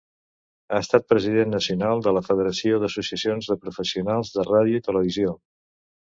Ha estat President Nacional de la Federació d'Associacions de Professionals de Ràdio i Televisió.